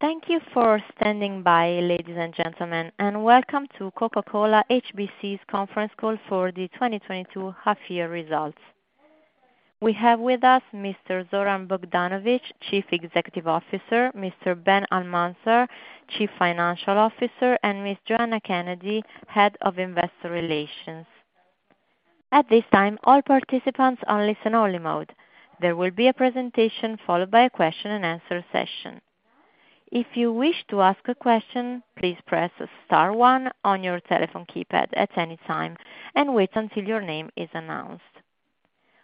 Thank you for standing by, ladies and gentlemen, and welcome to Coca-Cola HBC's conference call for the 2022 Half Year Results. We have with us Mr. Zoran Bogdanovic, Chief Executive Officer, Mr. Ben Almanzar, Chief Financial Officer, and Miss Joanna Kennedy, Head of Investor Relations. At this time, all participants are in listen-only mode. There will be a presentation followed by a question and answer session. If you wish to ask a question, please press star one on your telephone keypad at any time and wait until your name is announced.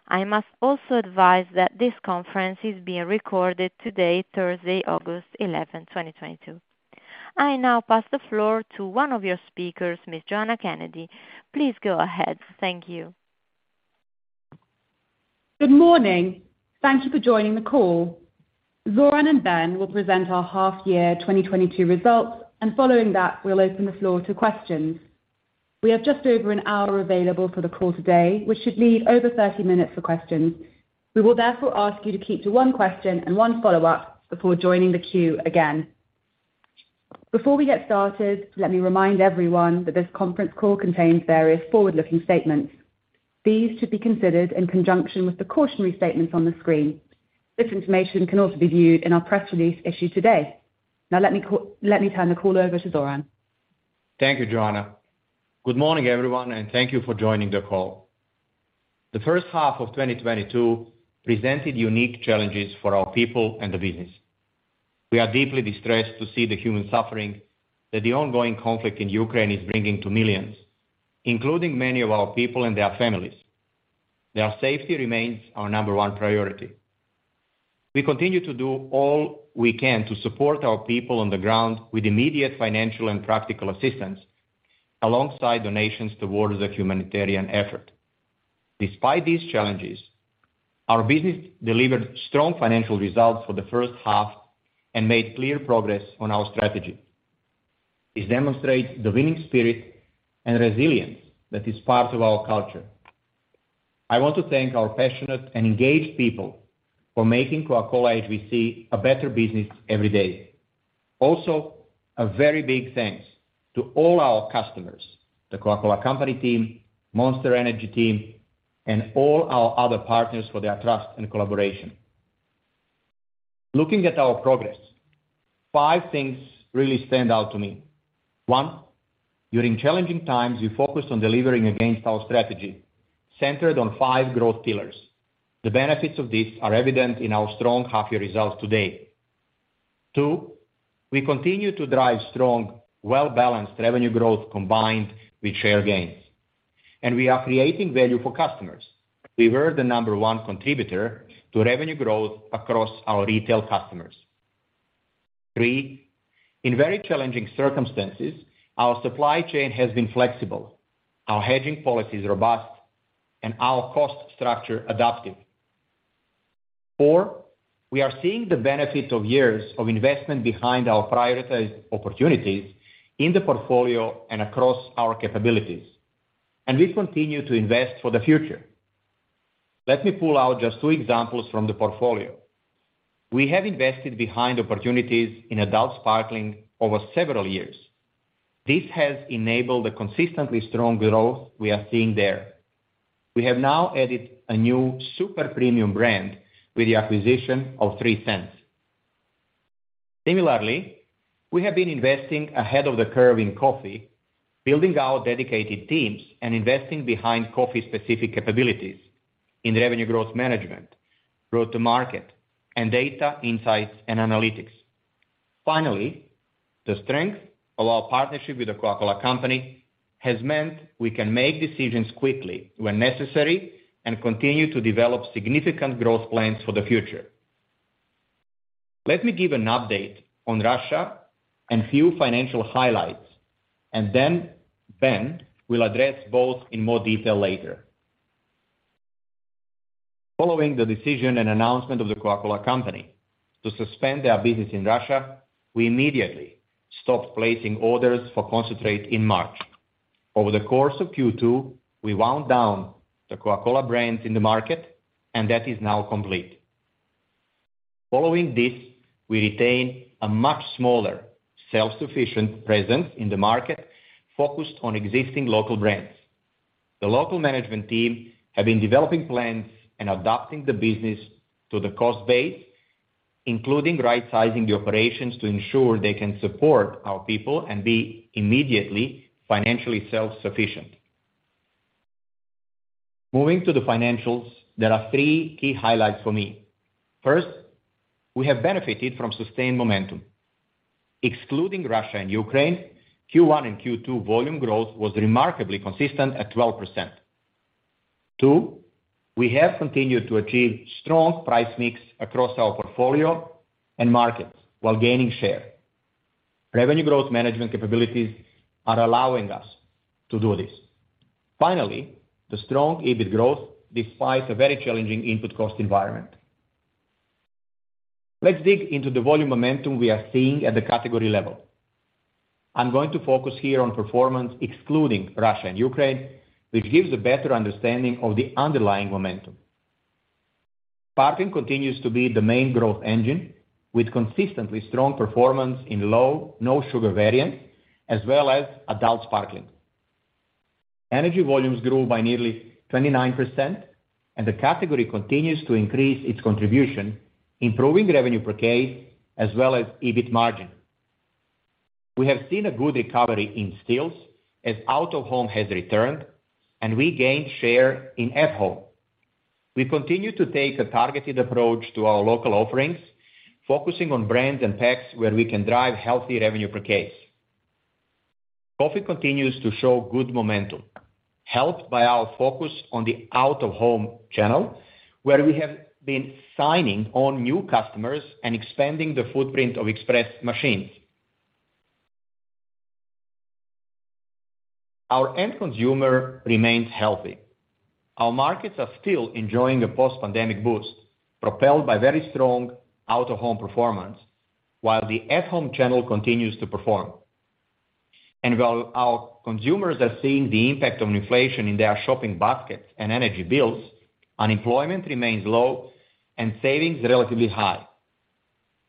I must also advise that this conference is being recorded today, Thursday, August 11, 2022. I now pass the floor to one of your speakers, Miss Joanna Kennedy. Please go ahead. Thank you. Good morning. Thank you for joining the call. Zoran and Ben will present our half year 2022 results, and following that, we'll open the floor to questions. We have just over an hour available for the call today, which should leave over 30 minutes for questions. We will therefore ask you to keep to one question and one follow-up before joining the queue again. Before we get started, let me remind everyone that this conference call contains various forward-looking statements. These should be considered in conjunction with the cautionary statements on the screen. This information can also be viewed in our press release issued today. Now, let me turn the call over to Zoran. Thank you, Joanna. Good morning, everyone, and thank you for joining the call. The first half of 2022 presented unique challenges for our people and the business. We are deeply distressed to see the human suffering that the ongoing conflict in Ukraine is bringing to millions, including many of our people and their families. Their safety remains our number one priority. We continue to do all we can to support our people on the ground with immediate financial and practical assistance alongside donations towards the humanitarian effort. Despite these challenges, our business delivered strong financial results for the first half and made clear progress on our strategy, as demonstrated the winning spirit and resilience that is part of our culture. I want to thank our passionate and engaged people for making Coca-Cola HBC a better business every day. Also, a very big thanks to all our customers, The Coca-Cola Company team, Monster Energy team, and all our other partners for their trust and collaboration. Looking at our progress, five things really stand out to me. One, during challenging times, we focus on delivering against our strategy centered on five growth pillars. The benefits of this are evident in our strong half year results today. Two, we continue to drive strong, well-balanced revenue growth combined with share gains, and we are creating value for customers. We were the number one contributor to revenue growth across our retail customers. Three, in very challenging circumstances, our supply chain has been flexible, our hedging policy is robust, and our cost structure adaptive. Four, we are seeing the benefits of years of investment behind our prioritized opportunities in the portfolio and across our capabilities, and we continue to invest for the future. Let me pull out just two examples from the portfolio. We have invested behind opportunities in adult sparkling over several years. This has enabled the consistently strong growth we are seeing there. We have now added a new super premium brand with the acquisition of Three Cents. Similarly, we have been investing ahead of the curve in coffee, building our dedicated teams and investing behind coffee-specific capabilities in revenue growth management, route to market and data insights and analytics. Finally, the strength of our partnership with The Coca-Cola Company has meant we can make decisions quickly when necessary and continue to develop significant growth plans for the future. Let me give an update on Russia and few financial highlights and then Ben will address both in more detail later. Following the decision and announcement of The Coca-Cola Company to suspend their business in Russia, we immediately stopped placing orders for concentrate in March. Over the course of Q2, we wound down the Coca-Cola brands in the market and that is now complete. Following this, we retain a much smaller, self-sufficient presence in the market focused on existing local brands. The local management team have been developing plans and adapting the business to the cost base, including right sizing the operations to ensure they can support our people and be immediately financially self-sufficient. Moving to the financials, there are three key highlights for me. First, we have benefited from sustained momentum. Excluding Russia and Ukraine, Q1 and Q2 volume growth was remarkably consistent at 12%. Two, we have continued to achieve strong price mix across our portfolio and markets while gaining share. Revenue growth management capabilities are allowing us to do this. Finally, the strong EBIT growth defies a very challenging input cost environment. Let's dig into the volume momentum we are seeing at the category level. I'm going to focus here on performance excluding Russia and Ukraine, which gives a better understanding of the underlying momentum. Sparkling continues to be the main growth engine with consistently strong performance in low, no sugar variant as well as adult sparkling. Energy volumes grew by nearly 29% and the category continues to increase its contribution, improving revenue per case as well as EBIT margin. We have seen a good recovery in stills as out-of-home has returned and we gained share in at-home. We continue to take a targeted approach to our local offerings, focusing on brands and packs where we can drive healthy revenue per case. Coffee continues to show good momentum, helped by our focus on the out-of-home channel, where we have been signing on new customers and expanding the footprint of express machines. Our end consumer remains healthy. Our markets are still enjoying a post-pandemic boost propelled by very strong out-of-home performance while the at-home channel continues to perform. While our consumers are seeing the impact of inflation in their shopping basket and energy bills, unemployment remains low and savings relatively high.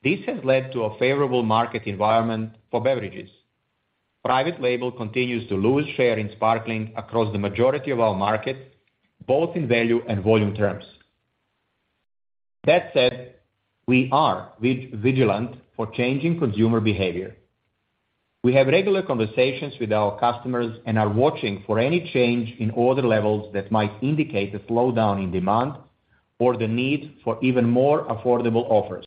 This has led to a favorable market environment for beverages. Private label continues to lose share in sparkling across the majority of our markets, both in value and volume terms. That said, we are vigilant for changing consumer behavior. We have regular conversations with our customers and are watching for any change in order levels that might indicate a slowdown in demand or the need for even more affordable offers.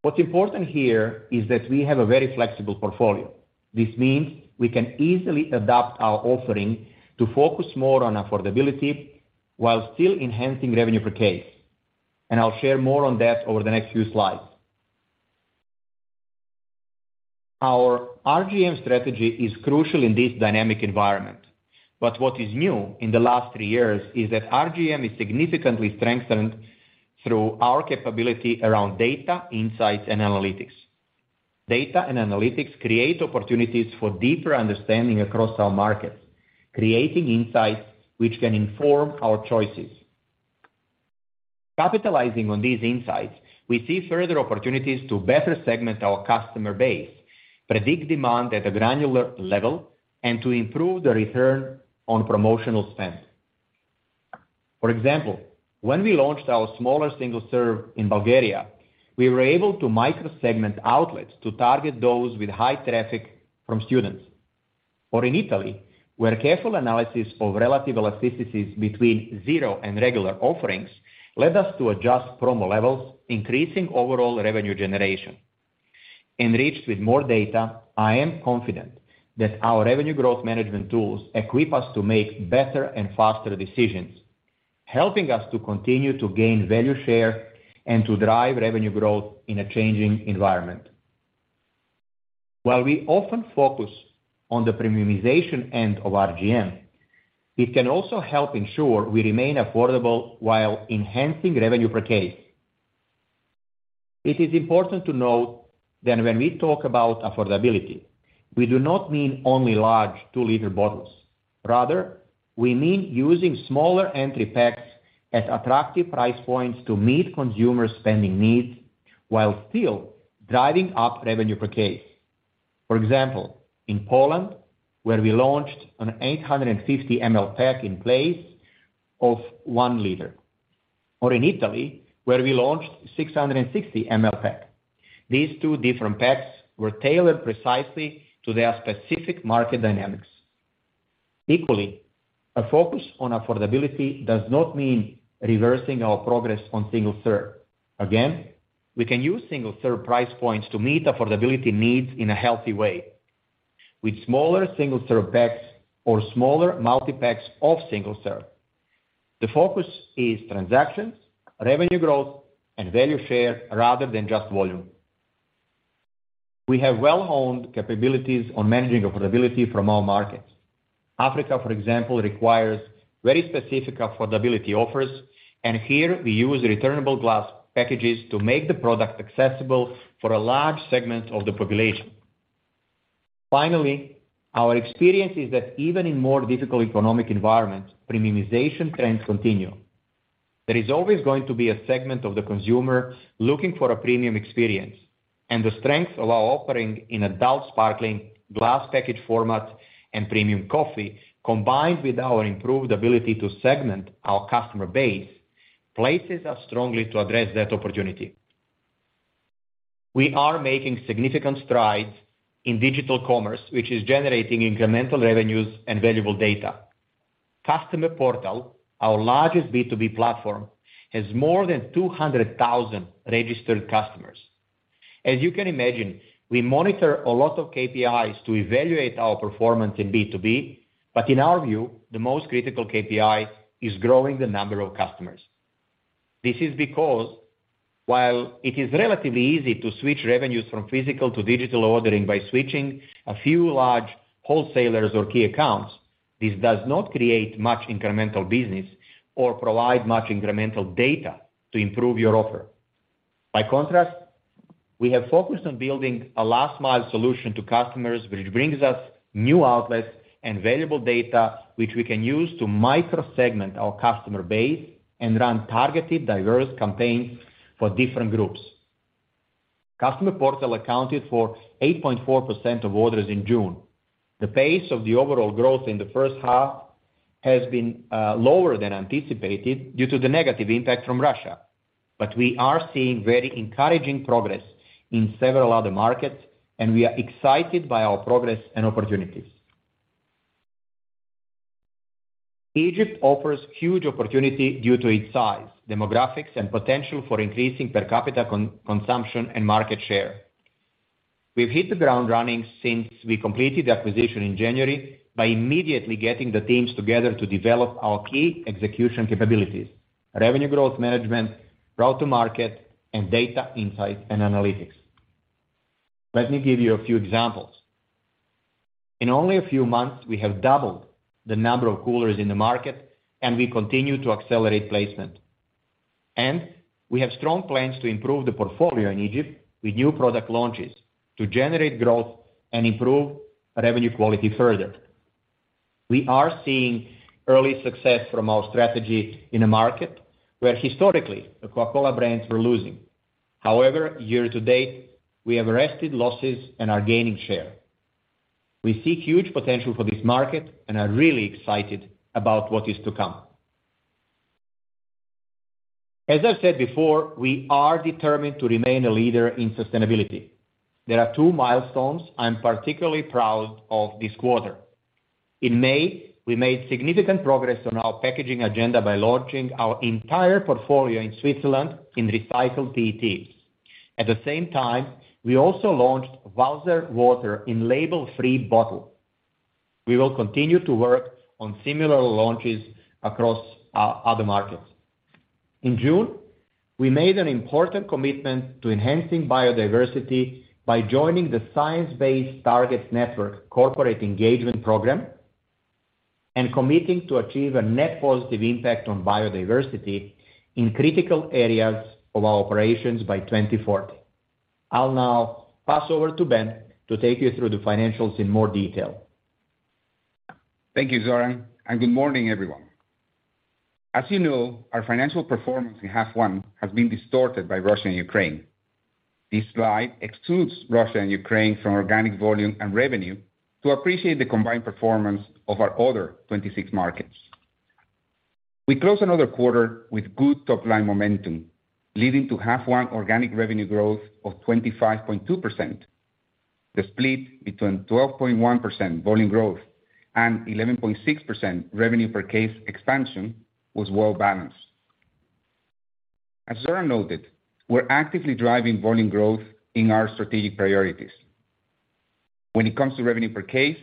What's important here is that we have a very flexible portfolio. This means we can easily adapt our offering to focus more on affordability while still enhancing revenue per case, and I'll share more on that over the next few slides. Our RGM strategy is crucial in this dynamic environment. What is new in the last three years is that RGM is significantly strengthened through our capability around data, insights, and analytics. Data and analytics create opportunities for deeper understanding across our markets, creating insights which can inform our choices. Capitalizing on these insights, we see further opportunities to better segment our customer base, predict demand at a granular level, and to improve the return on promotional spend. For example, when we launched our smaller single serve in Bulgaria, we were able to micro-segment outlets to target those with high traffic from students. In Italy, where careful analysis of relative elasticities between zero and regular offerings led us to adjust promo levels, increasing overall revenue generation. Enriched with more data, I am confident that our revenue growth management tools equip us to make better and faster decisions, helping us to continue to gain value share and to drive revenue growth in a changing environment. While we often focus on the premiumization end of RGM, it can also help ensure we remain affordable while enhancing revenue per case. It is important to note that when we talk about affordability, we do not mean only large 2 L bottles. Rather, we mean using smaller entry packs at attractive price points to meet consumer spending needs while still driving up revenue per case. For example, in Poland, where we launched an 850 ml pack in place of 1 L. Or in Italy, where we launched 660 ml pack. These two different packs were tailored precisely to their specific market dynamics. Equally, a focus on affordability does not mean reversing our progress on single serve. Again, we can use single serve price points to meet affordability needs in a healthy way with smaller single serve packs or smaller multi-packs of single serve. The focus is transactions, revenue growth, and value share rather than just volume. We have well-honed capabilities on managing affordability from all markets. Africa, for example, requires very specific affordability offers, and here we use returnable glass packages to make the product accessible for a large segment of the population. Finally, our experience is that even in more difficult economic environments, premiumization trends continue. There is always going to be a segment of the consumer looking for a premium experience and the strength of our offering in adult sparkling glass package format and premium coffee, combined with our improved ability to segment our customer base, places us strongly to address that opportunity. We are making significant strides in digital commerce, which is generating incremental revenues and valuable data. Customer portal, our largest B2B platform, has more than 200,000 registered customers. As you can imagine, we monitor a lot of KPIs to evaluate our performance in B2B, but in our view, the most critical KPI is growing the number of customers. This is because while it is relatively easy to switch revenues from physical to digital ordering by switching a few large wholesalers or key accounts, this does not create much incremental business or provide much incremental data to improve your offer. By contrast, we have focused on building a last mile solution to customers which brings us new outlets and valuable data which we can use to micro segment our customer base and run targeted, diverse campaigns for different groups. Customer portal accounted for 8.4% of orders in June. The pace of the overall growth in the first half has been lower than anticipated due to the negative impact from Russia. We are seeing very encouraging progress in several other markets, and we are excited by our progress and opportunities. Egypt offers huge opportunity due to its size, demographics and potential for increasing per capita consumption and market share. We've hit the ground running since we completed the acquisition in January by immediately getting the teams together to develop our key execution capabilities, revenue growth management, route to market and data insight and analytics. Let me give you a few examples. In only a few months, we have doubled the number of coolers in the market, and we continue to accelerate placement. We have strong plans to improve the portfolio in Egypt with new product launches to generate growth and improve revenue quality further. We are seeing early success from our strategy in a market where historically The Coca-Cola brands were losing. However, year to date, we have arrested losses and are gaining share. We see huge potential for this market and are really excited about what is to come. As I said before, we are determined to remain a leader in sustainability. There are two milestones I'm particularly proud of this quarter. In May, we made significant progress on our packaging agenda by launching our entire portfolio in Switzerland in recycled PET. At the same time, we also launched Valser water in label-free bottle. We will continue to work on similar launches across other markets. In June, we made an important commitment to enhancing biodiversity by joining the Science-Based Target Network corporate engagement program and committing to achieve a net positive impact on biodiversity in critical areas of our operations by 2040. I'll now pass over to Ben to take you through the financials in more detail. Thank you, Zoran, and good morning, everyone. As you know, our financial performance in half one has been distorted by Russia and Ukraine. This slide excludes Russia and Ukraine from organic volume and revenue to appreciate the combined performance of our other 26 markets. We close another quarter with good top line momentum, leading to half one organic revenue growth of 25.2%. The split between 12.1% volume growth and 11.6% revenue per case expansion was well balanced. As Zoran noted, we're actively driving volume growth in our strategic priorities. When it comes to revenue per case,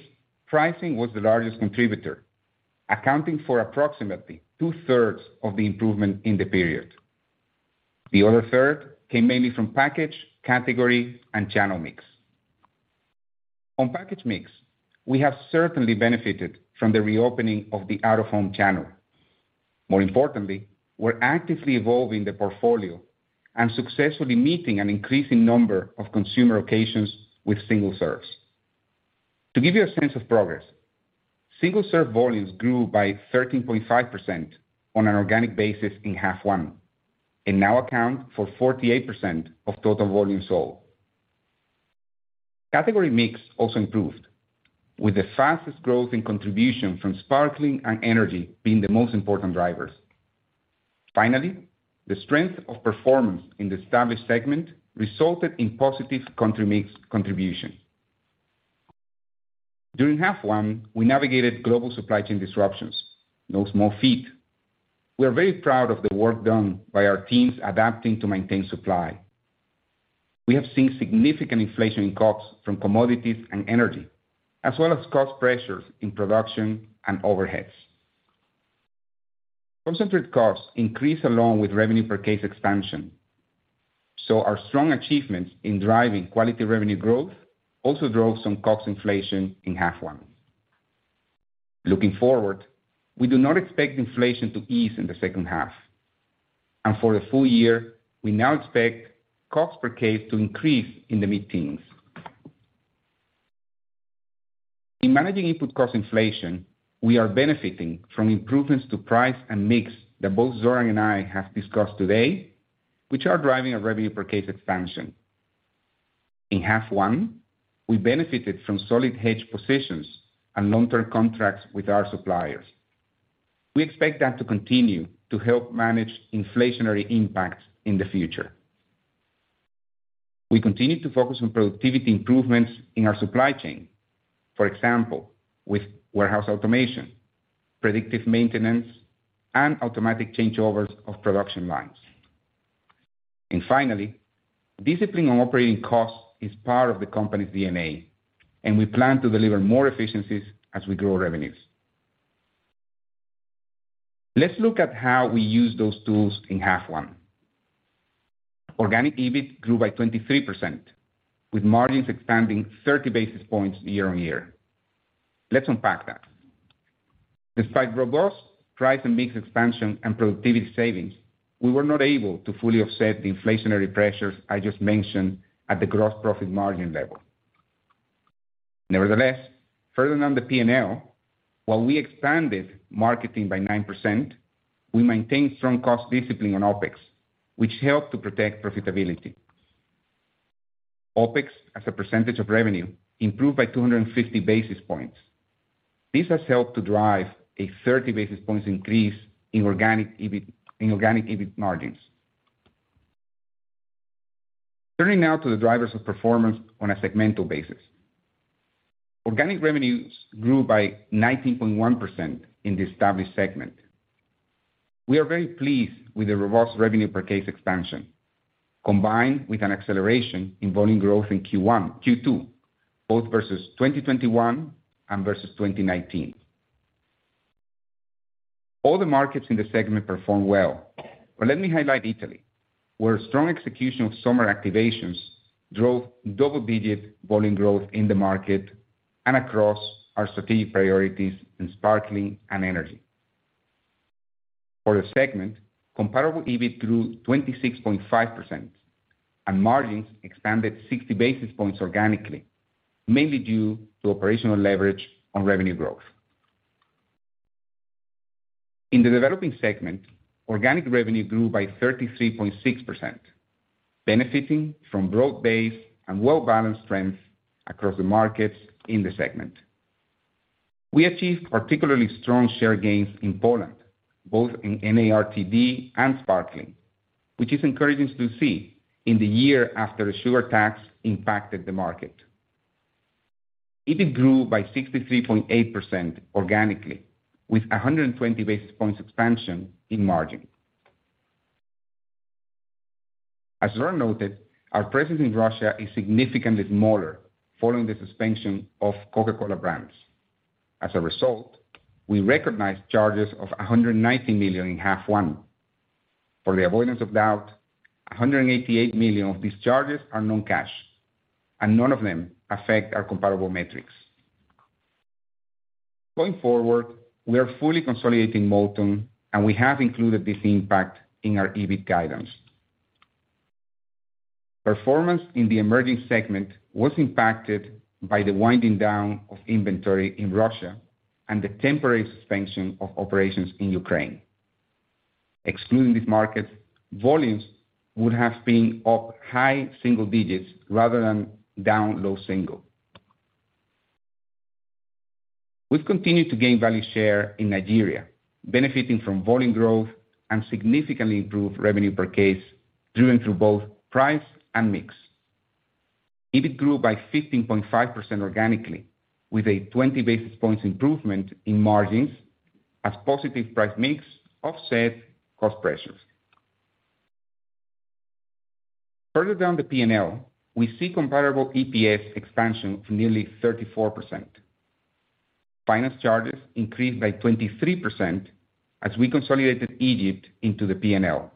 pricing was the largest contributor, accounting for approximately two-thirds of the improvement in the period. The other third came mainly from package, category and channel mix. On package mix, we have certainly benefited from the reopening of the out-of-home channel. More importantly, we're actively evolving the portfolio and successfully meeting an increasing number of consumer occasions with single serves. To give you a sense of progress, single serve volumes grew by 13.5% on an organic basis in half one and now account for 48% of total volumes sold. Category mix also improved, with the fastest growth in contribution from sparkling and energy being the most important drivers. Finally, the strength of performance in the established segment resulted in positive country mix contribution. During half one, we navigated global supply chain disruptions. No small feat. We are very proud of the work done by our teams adapting to maintain supply. We have seen significant inflation in costs from commodities and energy, as well as cost pressures in production and overheads. Concentrate costs increase along with revenue per case expansion. Our strong achievements in driving quality revenue growth also drove some cost inflation in half one. Looking forward, we do not expect inflation to ease in the second half. For the full year, we now expect cost per case to increase in the mid-teens. In managing input cost inflation, we are benefiting from improvements to price and mix that both Zoran and I have discussed today, which are driving a revenue per case expansion. In half one, we benefited from solid hedge positions and long-term contracts with our suppliers. We expect that to continue to help manage inflationary impacts in the future. We continue to focus on productivity improvements in our supply chain, for example, with warehouse automation, predictive maintenance, and automatic changeovers of production lines. Finally, discipline on operating costs is part of the company's DNA, and we plan to deliver more efficiencies as we grow revenues. Let's look at how we use those tools in half one. Organic EBIT grew by 23%, with margins expanding 30 basis points year-on-year. Let's unpack that. Despite robust price and mix expansion and productivity savings, we were not able to fully offset the inflationary pressures I just mentioned at the gross profit margin level. Nevertheless, further down the P&L, while we expanded marketing by 9%, we maintained strong cost discipline on OpEx, which helped to protect profitability. OpEx as a percentage of revenue improved by 250 basis points. This has helped to drive a 30 basis points increase in organic EBIT margins. Turning now to the drivers of performance on a segmental basis. Organic revenues grew by 19.1% in the established segment. We are very pleased with the robust revenue per case expansion, combined with an acceleration in volume growth in Q1, Q2, both versus 2021 and versus 2019. All the markets in the segment performed well. Let me highlight Italy, where strong execution of summer activations drove double-digit volume growth in the market and across our strategic priorities in sparkling and energy. For the segment, comparable EBIT grew 26.5% and margins expanded 60 basis points organically, mainly due to operational leverage on revenue growth. In the developing segment, organic revenue grew by 33.6%, benefiting from broad-based and well-balanced strengths across the markets in the segment. We achieved particularly strong share gains in Poland, both in NARTD and sparkling, which is encouraging to see in the year after a sugar tax impacted the market. EBIT grew by 63.8% organically, with 120 basis points expansion in margin. As Zoran noted, our presence in Russia is significantly smaller following the suspension of Coca-Cola brands. As a result, we recognized charges of 190 million in half one. For the avoidance of doubt, 188 million of these charges are non-cash, and none of them affect our comparable metrics. Going forward, we are fully consolidating Multon, and we have included this impact in our EBIT guidance. Performance in the emerging segment was impacted by the winding down of inventory in Russia and the temporary suspension of operations in Ukraine. Excluding these markets, volumes would have been up high single digits rather than down low single. We've continued to gain value share in Nigeria, benefiting from volume growth and significantly improved revenue per case, driven through both price and mix. EBIT grew by 15.5% organically, with a 20 basis points improvement in margins as positive price mix offset cost pressures. Further down the P&L, we see comparable EPS expansion of nearly 34%. Finance charges increased by 23% as we consolidated Egypt into the P&L.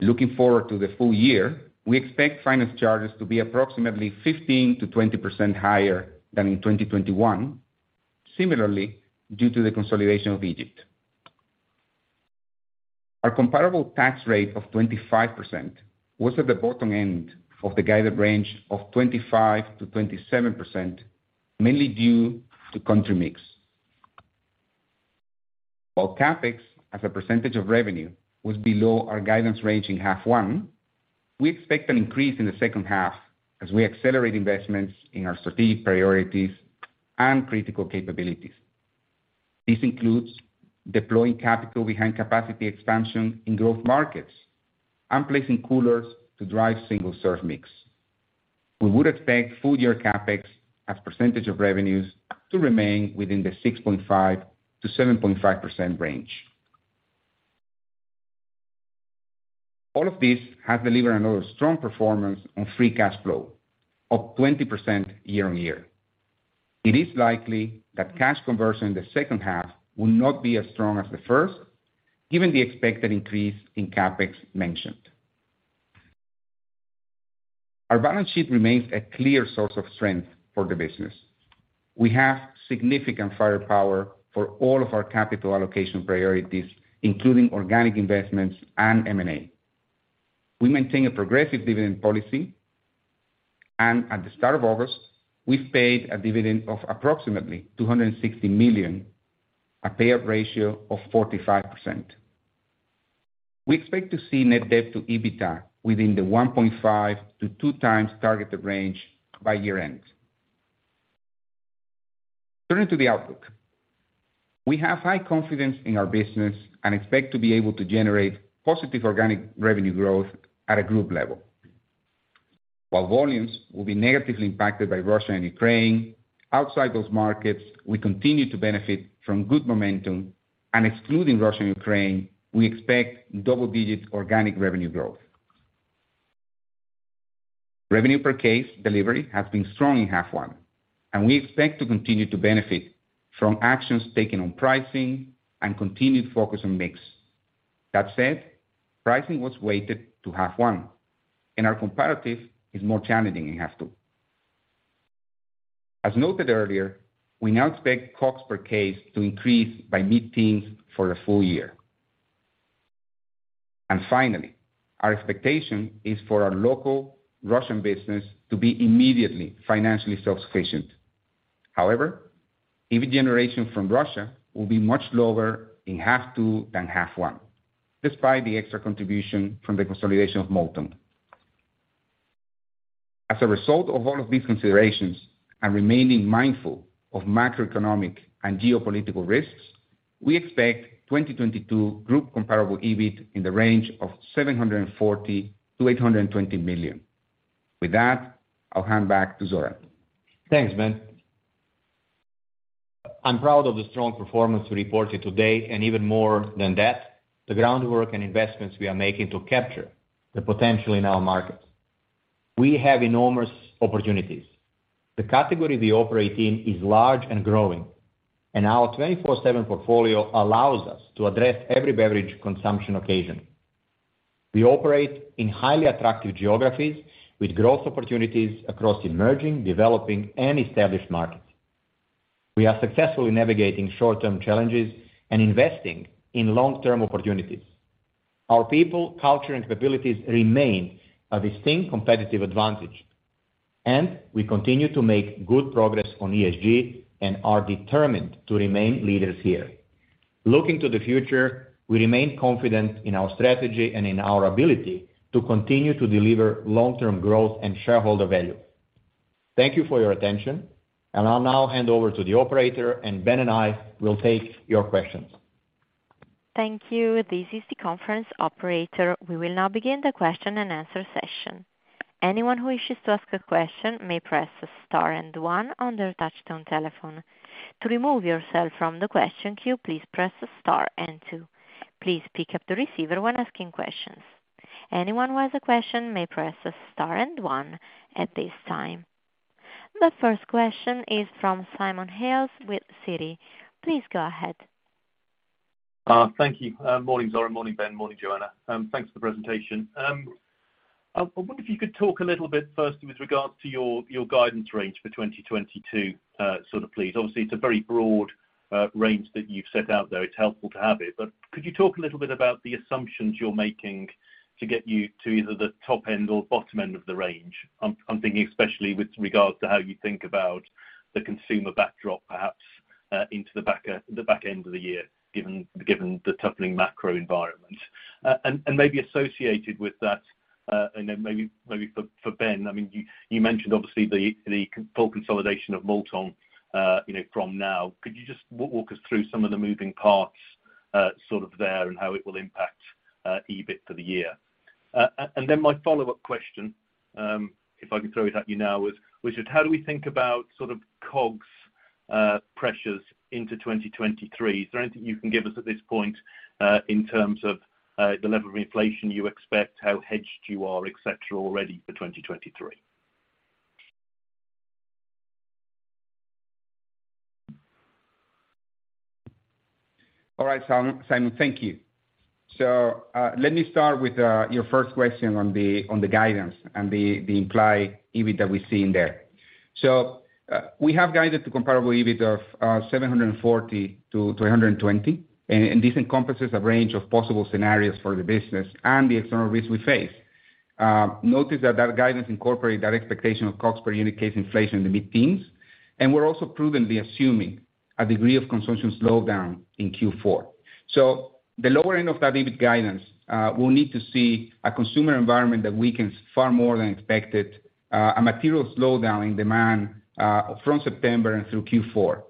Looking forward to the full year, we expect finance charges to be approximately 15%-20% higher than in 2021. Similarly, due to the consolidation of Egypt. Our comparable tax rate of 25% was at the bottom end of the guided range of 25%-27%, mainly due to country mix. While CapEx as a percentage of revenue was below our guidance range in first half, we expect an increase in the second half as we accelerate investments in our strategic priorities and critical capabilities. This includes deploying capital behind capacity expansion in growth markets and placing coolers to drive single-serve mix. We would expect full-year CapEx as percentage of revenues to remain within the 6.5%-7.5% range. All of this has delivered another strong performance on free cash flow of 20% year-on-year. It is likely that cash conversion in the second half will not be as strong as the first, given the expected increase in CapEx mentioned. Our balance sheet remains a clear source of strength for the business. We have significant firepower for all of our capital allocation priorities, including organic investments and M&A. We maintain a progressive dividend policy. At the start of August, we paid a dividend of approximately 260 million, a payout ratio of 45%. We expect to see net debt to EBITDA within the 1.5 times-2 times targeted range by year-end. Turning to the outlook. We have high confidence in our business and expect to be able to generate positive organic revenue growth at a group level. While volumes will be negatively impacted by Russia and Ukraine, outside those markets, we continue to benefit from good momentum. Excluding Russia and Ukraine, we expect double-digit organic revenue growth. Revenue per case delivery has been strong in half one, and we expect to continue to benefit from actions taken on pricing and continued focus on mix. That said, pricing was weighted to half one, and our comparative is more challenging in half two. As noted earlier, we now expect costs per case to increase by mid-teens for a full year. Finally, our expectation is for our local Russian business to be immediately financially self-sufficient. However, EBIT generation from Russia will be much lower in half two than half one, despite the extra contribution from the consolidation of Multon. As a result of all of these considerations and remaining mindful of macroeconomic and geopolitical risks, we expect 2022 group comparable EBIT in the range of 740 million-820 million. With that, I'll hand back to Zoran. Thanks, Ben. I'm proud of the strong performance we reported today, and even more than that, the groundwork and investments we are making to capture the potential in our markets. We have enormous opportunities. The category we operate in is large and growing, and our twenty-four-seven portfolio allows us to address every beverage consumption occasion. We operate in highly attractive geographies with growth opportunities across emerging, developing, and established markets. We are successfully navigating short-term challenges and investing in long-term opportunities. Our people, culture, and capabilities remain a distinct competitive advantage, and we continue to make good progress on ESG and are determined to remain leaders here. Looking to the future, we remain confident in our strategy and in our ability to continue to deliver long-term growth and shareholder value. Thank you for your attention, and I'll now hand over to the operator and Ben and I will take your questions. Thank you. This is the conference operator. We will now begin the question and answer session. Anyone who wishes to ask a question may press star and one on their touchtone telephone. To remove yourself from the question queue, please press star and two. Please pick up the receiver when asking questions. Anyone who has a question may press star and one at this time. The first question is from Simon Hales with Citi. Please go ahead. Thank you. Morning, Zoran. Morning, Ben. Morning, Joanna. Thanks for the presentation. I wonder if you could talk a little bit first with regards to your guidance range for 2022, sort of please. Obviously, it's a very broad range that you've set out there. It's helpful to have it. Could you talk a little bit about the assumptions you're making to get you to either the top end or bottom end of the range? I'm thinking especially with regards to how you think about the consumer backdrop, perhaps into the back end of the year, given the toughening macro environment. Maybe associated with that, and then maybe for Ben, I mean, you mentioned obviously the full consolidation of Multon, you know, from now. Could you just walk us through some of the moving parts, sort of there and how it will impact EBIT for the year? My follow-up question, if I can throw it at you now is, which is how do we think about sort of COGS pressures into 2023? Is there anything you can give us at this point, in terms of the level of inflation you expect, how hedged you are, et cetera, already for 2023? All right, Simon, thank you. Let me start with your first question on the guidance and the implied EBIT that we're seeing there. We have guided to comparable EBIT of 740-820, and this encompasses a range of possible scenarios for the business and the external risks we face. Notice that guidance incorporates that expectation of cost per unit case inflation in the mid-teens, and we're also provenly assuming a degree of consumption slowdown in Q4. The lower end of that EBIT guidance, we will need to see a consumer environment that weakens far more than expected, a material slowdown in demand from September and through Q4.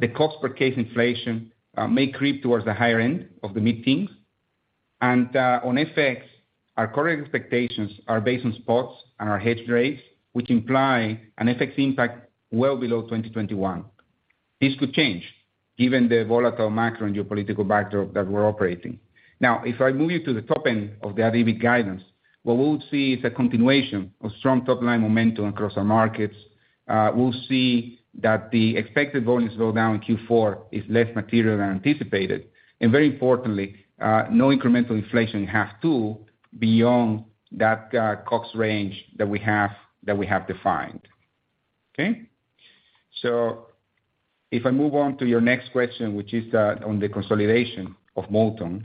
The cost per case inflation may creep towards the higher end of the mid-teens. On FX, our current expectations are based on spots and our hedge rates, which imply an FX impact well below 2021. This could change given the volatile macro and geopolitical backdrop that we're operating. Now, if I move you to the top end of the EBIT guidance, what we would see is a continuation of strong top-line momentum across our markets. We'll see that the expected volumes slowdown in Q4 is less material than anticipated. Very importantly, no incremental inflation in half two beyond that cost range that we have defined. Okay. If I move on to your next question, which is on the consolidation of Multon.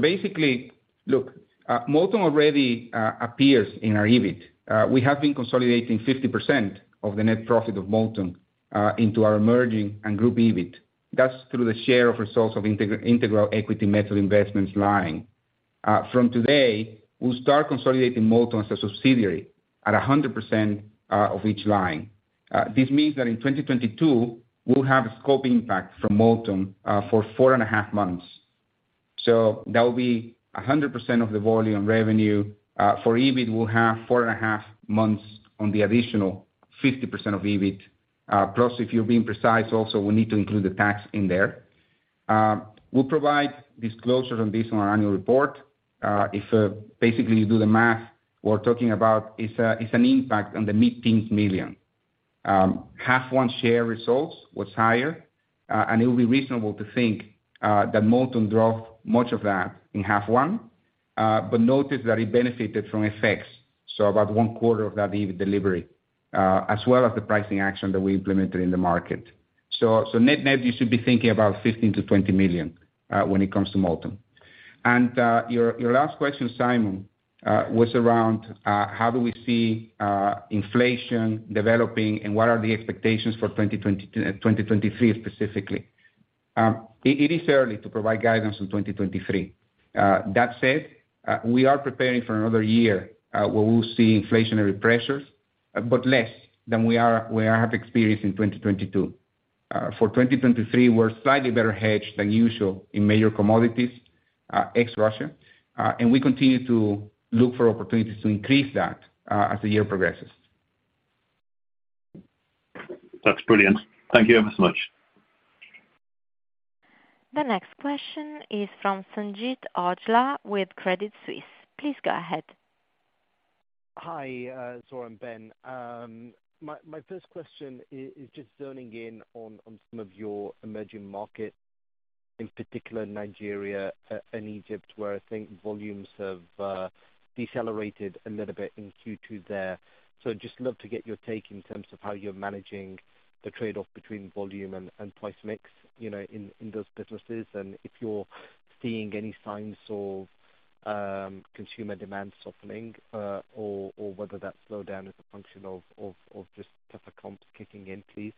Basically, look, Multon already appears in our EBIT. We have been consolidating 50% of the net profit of Multon into our emerging and group EBIT. That's through the share of results of equity method investments line. From today, we'll start consolidating Multon as a subsidiary at 100% of each line. This means that in 2022, we'll have a scope impact from Multon for four and a half months. That will be 100% of the volume and revenue. For EBIT, we'll have four and a half months on the additional 50% of EBIT. If you're being precise, we also need to include the tax in there. We'll provide disclosure on this on our annual report. If you basically do the math, we're talking about an impact of the mid-teens million. Half one share results was higher, and it will be reasonable to think that Multon drove much of that in half one. But notice that it benefited from FX, so about one quarter of that FX delivery, as well as the pricing action that we implemented in the market. Net-net, you should be thinking about 15 million-20 million when it comes to Multon. Your last question, Simon, was around how do we see inflation developing and what are the expectations for 2023 specifically? It is early to provide guidance on 2023. That said, we are preparing for another year where we'll see inflationary pressures, but less than we have experienced in 2022. For 2023, we're slightly better hedged than usual in major commodities, ex-Russia. We continue to look for opportunities to increase that, as the year progresses. That's brilliant. Thank you ever so much. The next question is from Sanjeet Aujla with Credit Suisse. Please go ahead. Hi, Zoran and Ben. My first question is just zoning in on some of your emerging markets, in particular Nigeria and Egypt, where I think volumes have decelerated a little bit in Q2 there. Just love to get your take in terms of how you're managing the trade-off between volume and price mix, you know, in those businesses, and if you're seeing any signs of consumer demand softening, or whether that slowdown is a function of just tougher comps kicking in, please.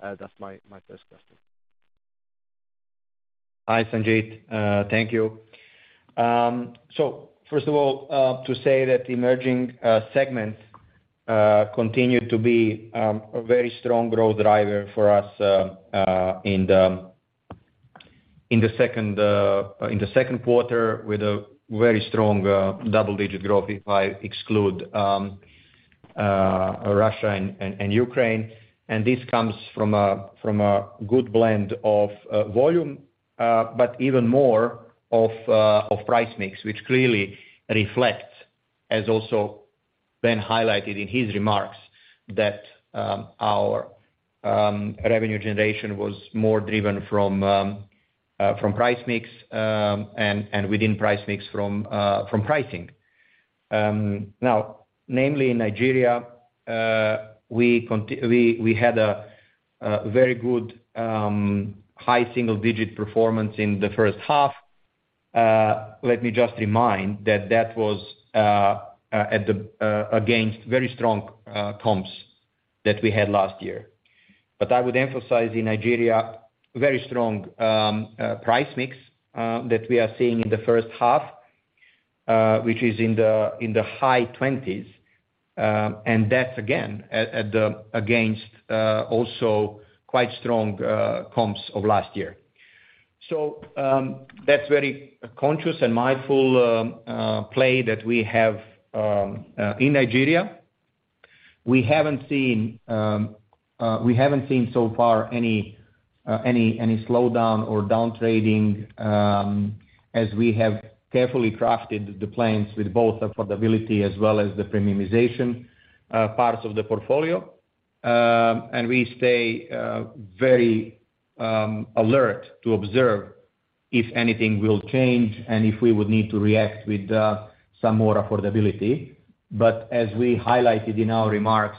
That's my first question. Hi, Sanjeet, thank you. First of all, to say that emerging segments continue to be a very strong growth driver for us in the second quarter with a very strong double-digit growth if I exclude Russia and Ukraine. This comes from a good blend of volume, but even more of price mix, which clearly reflects, as also Ben highlighted in his remarks, that our revenue generation was more driven from price mix, and within price mix from pricing. Now, namely in Nigeria, we had a very good high single-digit performance in the first half. Let me just remind that that was against very strong comps that we had last year. I would emphasize in Nigeria, very strong price mix that we are seeing in the first half, which is in the high 20s. That's again against also quite strong comps of last year. That's very conscious and mindful play that we have in Nigeria. We haven't seen so far any slowdown or downtrading, as we have carefully crafted the plans with both affordability as well as the premiumization parts of the portfolio. We stay very alert to observe if anything will change and if we would need to react with some more affordability. As we highlighted in our remarks,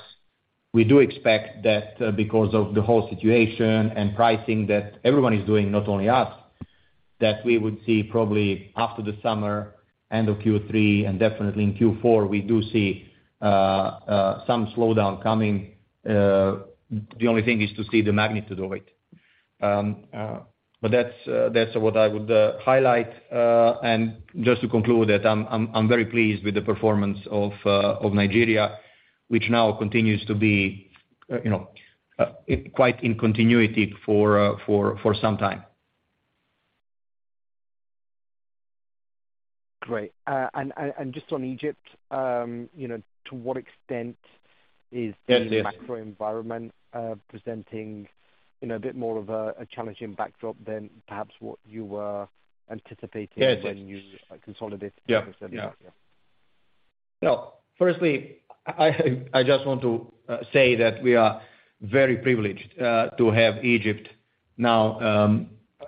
we do expect that because of the whole situation and pricing that everyone is doing, not only us, that we would see probably after the summer, end of Q3 and definitely in Q4, we do see some slowdown coming. The only thing is to see the magnitude of it. That's what I would highlight. Just to conclude, I'm very pleased with the performance of Nigeria, which now continues to be you know quite in continuity for some time. Great. Just on Egypt, you know, to what extent is the- Yes, yes. macro environment presenting, you know, a bit more of a challenging backdrop than perhaps what you were anticipating. Yes, yes when you consolidated. Yeah, yeah. Yeah. Firstly, I just want to say that we are very privileged to have Egypt now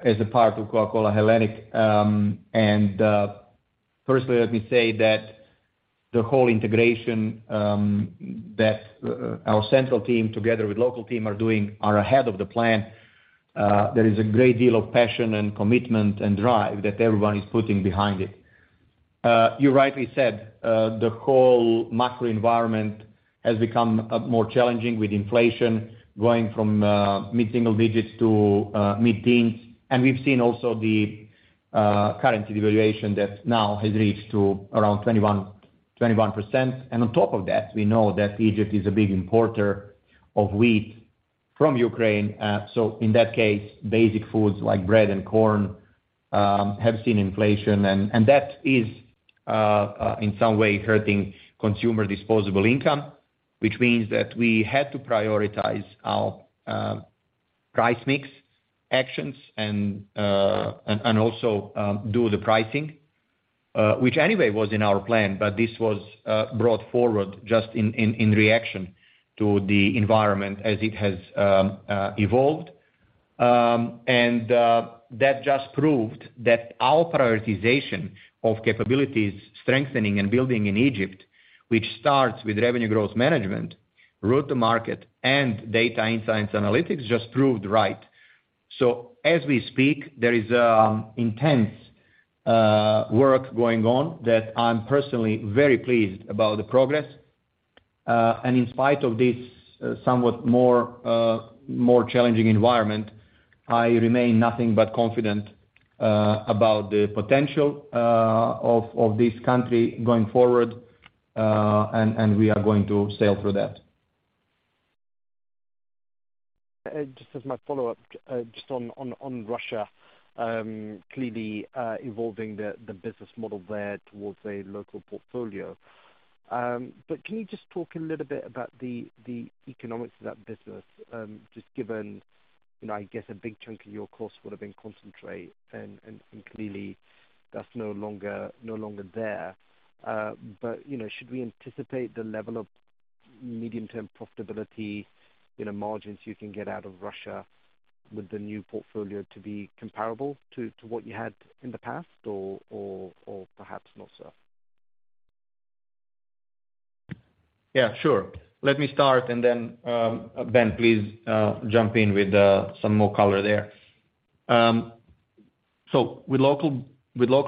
as a part of Coca-Cola Hellenic. Let me say that the whole integration that our central team together with local team are doing are ahead of the plan. There is a great deal of passion and commitment and drive that everyone is putting behind it. You rightly said the whole macro environment has become more challenging with inflation going from mid-single digits to mid-teens. We've seen also the currency devaluation that now has reached to around 21%. On top of that, we know that Egypt is a big importer of wheat from Ukraine. In that case, basic foods like bread and corn have seen inflation and that is in some way hurting consumer disposable income, which means that we had to prioritize our price mix actions and also do the pricing. Which anyway was in our plan, but this was brought forward just in reaction to the environment as it has evolved. That just proved that our prioritization of capabilities, strengthening and building in Egypt, which starts with revenue growth management, route to market and data insights analytics just proved right. As we speak, there is intense work going on that I'm personally very pleased about the progress. In spite of this somewhat more challenging environment, I remain nothing but confident about the potential of this country going forward, and we are going to sail through that. Just as my follow-up, just on Russia, clearly evolving the business model there towards a local portfolio. Can you just talk a little bit about the economics of that business, just given, you know, I guess a big chunk of your cost would have been concentrate and clearly that's no longer there. You know, should we anticipate the level of medium-term profitability, you know, margins you can get out of Russia with the new portfolio to be comparable to what you had in the past or perhaps not, sir? Yeah, sure. Let me start and then, Ben, please, jump in with some more color there. So with local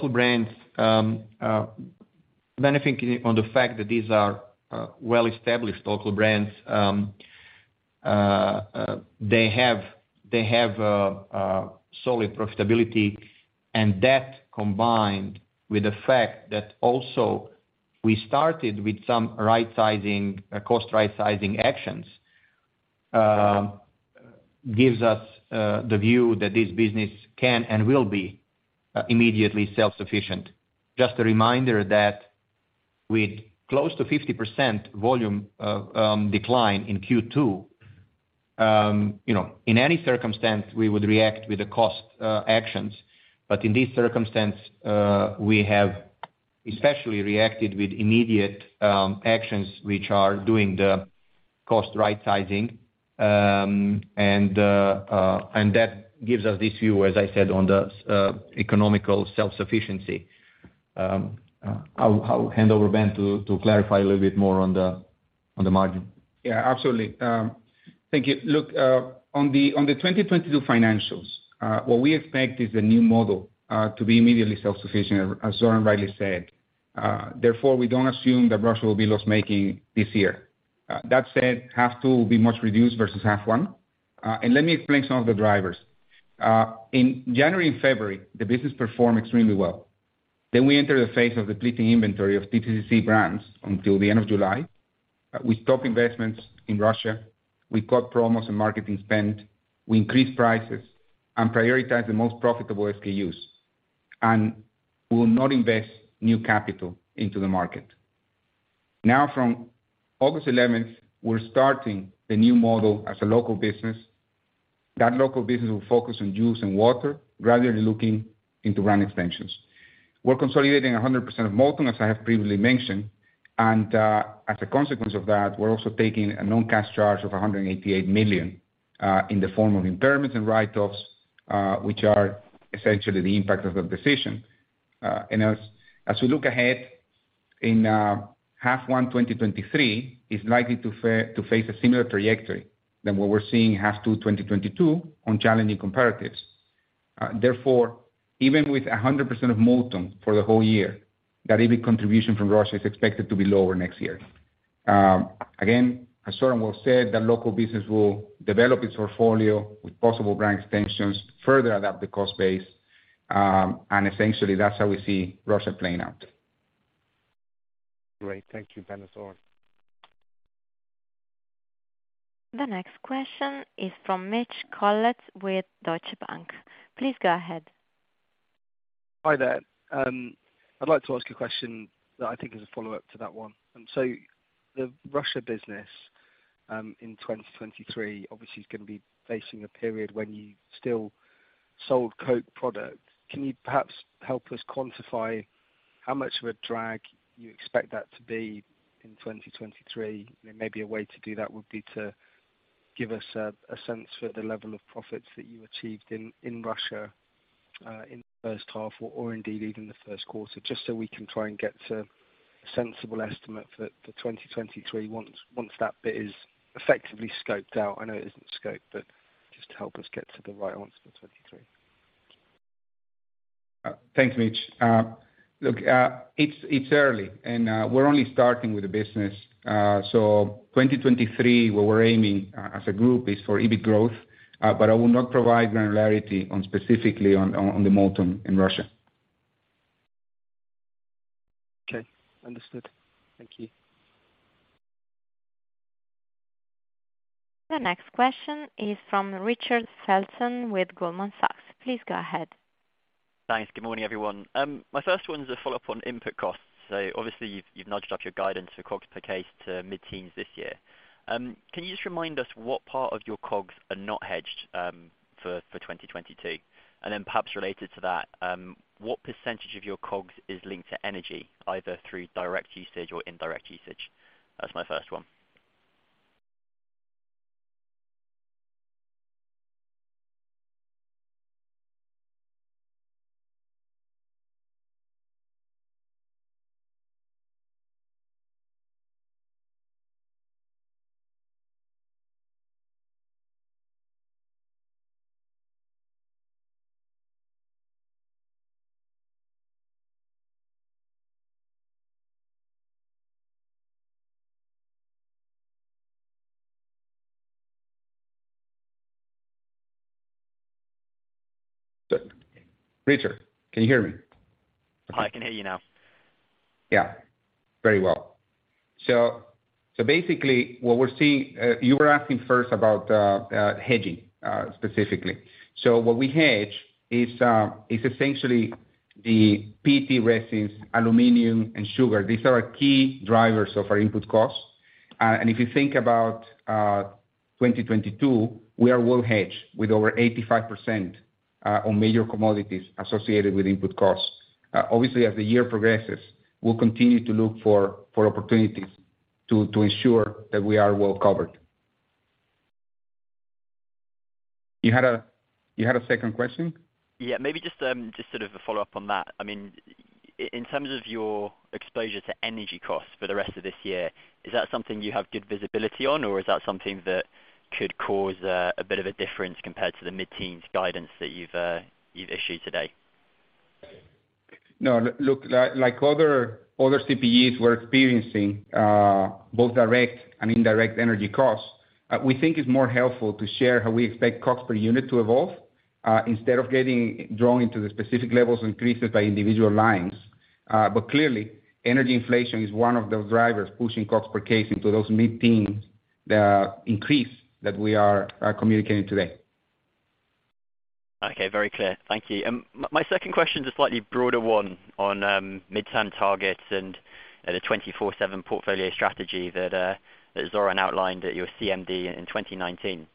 brands benefiting from the fact that these are well-established local brands, they have solid profitability. That combined with the fact that also we started with some right-sizing, cost right-sizing actions gives us the view that this business can and will be immediately self-sufficient. Just a reminder that with close to 50% volume decline in Q2, you know, in any circumstance, we would react with the cost actions. In this circumstance, we have especially reacted with immediate actions which are doing the cost right-sizing. That gives us this view, as I said, on the economic self-sufficiency. I'll hand over Ben to clarify a little bit more on the margin. Yeah, absolutely. Thank you. Look, on the 2022 financials, what we expect is the new model to be immediately self-sufficient, as Zoran rightly said. Therefore, we don't assume that Russia will be loss-making this year. That said, half two will be much reduced versus half one. Let me explain some of the drivers. In January and February, the business performed extremely well. We entered the phase of depleting inventory of TCCC brands until the end of July. We stopped investments in Russia, we cut promos and marketing spend, we increased prices and prioritize the most profitable SKUs, and we will not invest new capital into the market. Now from August 11th, we're starting the new model as a local business. That local business will focus on juice and water rather than looking into brand extensions. We're consolidating 100% of Multon, as I have previously mentioned, and, as a consequence of that, we're also taking a non-cash charge of 188 million, in the form of impairments and write-offs, which are essentially the impact of the decision. As we look ahead in half one 2023, it's likely to face a similar trajectory to what we're seeing half two 2022 on challenging comparatives. Therefore, even with 100% of Multon for the whole year, that EBIT contribution from Russia is expected to be lower next year. Again, as Zoran well said, the local business will develop its portfolio with possible brand extensions, further adapt the cost base, and essentially, that's how we see Russia playing out. Great. Thank you, Ben and Zoran. The next question is from Mitch Collett with Deutsche Bank. Please go ahead. Hi there. I'd like to ask a question that I think is a follow-up to that one. The Russia business in 2023 obviously is gonna be facing a period when you still sold Coke products. Can you perhaps help us quantify how much of a drag you expect that to be in 2023? Maybe a way to do that would be to give us a sense for the level of profits that you achieved in Russia in the first half or indeed even the first quarter, just so we can try and get to a sensible estimate for the 2023 once that bit is effectively scoped out. I know it isn't scoped, but just help us get to the right answer for 2023. Thanks, Mitch. Look, it's early and we're only starting with the business. 2023, what we're aiming as a group is for EBIT growth, but I will not provide granularity on specifically on the Multon in Russia. Okay. Understood. Thank you. The next question is from Richard Felton with Goldman Sachs. Please go ahead. Thanks. Good morning, everyone. My first one is a follow-up on input costs. Obviously you've nudged up your guidance for COGS per case to mid-teens this year. Can you just remind us what part of your COGS are not hedged for 2022? Perhaps related to that, what percentage of your COGS is linked to energy, either through direct usage or indirect usage? That's my first one. Richard, can you hear me? I can hear you now. Yeah. Very well. You were asking first about hedging specifically. What we hedge is essentially the PET resins, aluminum and sugar. These are our key drivers of our input costs. If you think about 2022, we are well hedged with over 85% on major commodities associated with input costs. Obviously, as the year progresses, we'll continue to look for opportunities to ensure that we are well covered. You had a second question? Yeah, maybe just sort of a follow-up on that. I mean, in terms of your exposure to energy costs for the rest of this year, is that something you have good visibility on? Or is that something that could cause a bit of a difference compared to the mid-teens guidance that you've issued today? No. Look, like other CPGs we're experiencing both direct and indirect energy costs. We think it's more helpful to share how we expect cost per unit to evolve instead of getting drawn into the specific level increases by individual lines. Clearly, energy inflation is one of those drivers pushing cost per case into those mid-teens, the increase that we are communicating today. Okay, very clear. Thank you. My second question's a slightly broader one on midterm targets and, you know, the 24/7 portfolio strategy that Zoran outlined at your CMD in 2019.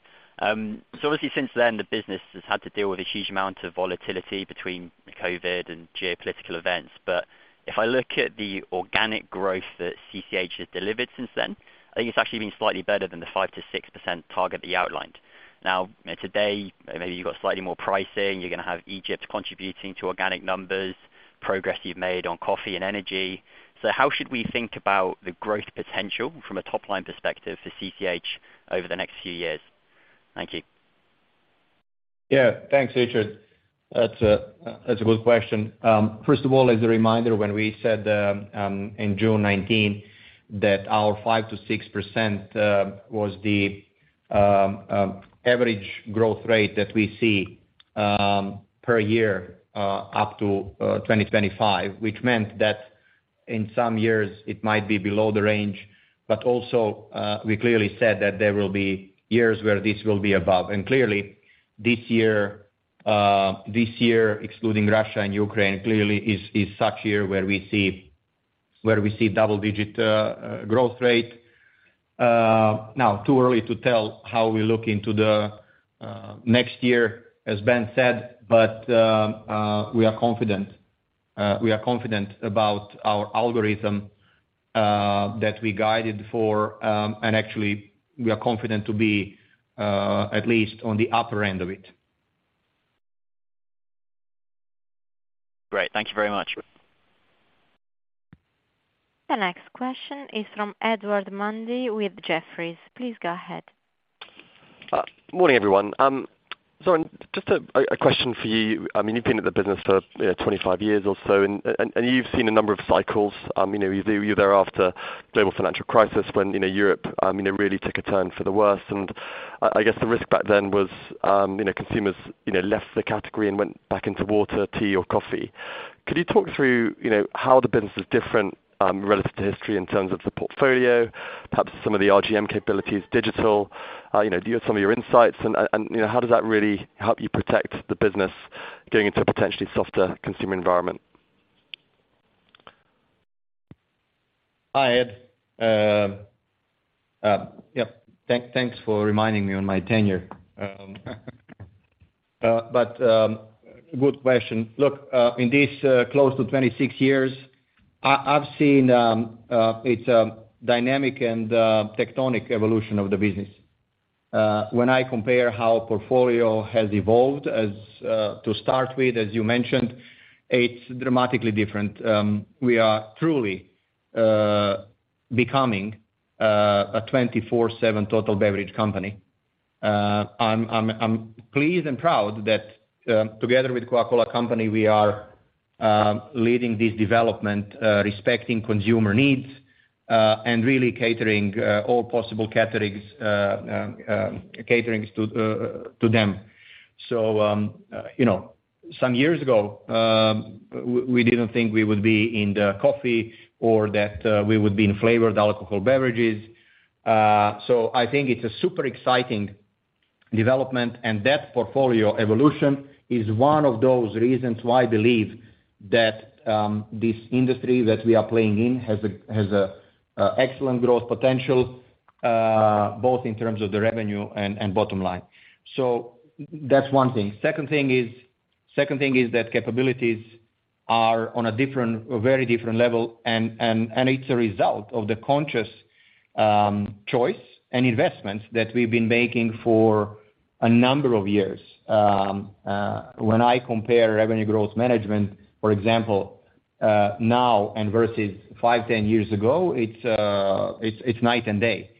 Obviously since then, the business has had to deal with a huge amount of volatility between COVID and geopolitical events. If I look at the organic growth that CCH has delivered since then, I think it's actually been slightly better than the 5%-6% target that you outlined. Now, you know, today, maybe you've got slightly more pricing, you're gonna have Egypt contributing to organic numbers, progress you've made on coffee and energy. How should we think about the growth potential from a top-line perspective for CCH over the next few years? Thank you. Yeah. Thanks, Richard. That's a good question. First of all, as a reminder, when we said in June 2019 that our 5%-6% was the average growth rate that we see per year up to 2025, which meant that in some years it might be below the range, but also we clearly said that there will be years where this will be above. Clearly this year excluding Russia and Ukraine clearly is such year where we see double-digit growth rate. Now it's too early to tell how we look into the next year, as Ben said, but we are confident. We are confident about our guidance that we guided for, and actually we are confident to be at least on the upper end of it. Great. Thank you very much. The next question is from Edward Mundy with Jefferies. Please go ahead. Morning everyone. Zoran, just a question for you. I mean, you've been at the business for, you know, 25 years or so, and you've seen a number of cycles. You know, you're there after Global Financial Crisis when, you know, Europe, you know, really took a turn for the worst. I guess the risk back then was, you know, consumers, you know, left the category and went back into water, tea or coffee. Could you talk through, you know, how the business is different, relative to history in terms of the portfolio, perhaps some of the RGM capabilities, digital, you know, give some of your insights and, you know, how does that really help you protect the business going into a potentially softer consumer environment? Hi, Ed. Yeah, thanks for reminding me on my tenure. Good question. Look, in these close to 26 years, I've seen its dynamic and tectonic evolution of the business. When I compare how portfolio has evolved, as to start with, as you mentioned, it's dramatically different. We are truly becoming a 24/7 total beverage company. I'm pleased and proud that, together with The Coca-Cola Company, we are leading this development, respecting consumer needs, and really catering all possible categories, catering to them. You know, some years ago, we didn't think we would be in the coffee or that we would be in flavored alcohol beverages. I think it's a super exciting development, and that portfolio evolution is one of those reasons why I believe that this industry that we are playing in has an excellent growth potential, both in terms of the revenue and bottom line. That's one thing. Second thing is that capabilities are on a different, a very different level, and it's a result of the conscious choice and investments that we've been making for a number of years. When I compare revenue growth management, for example, now and versus five, 10 years ago, it's night and day.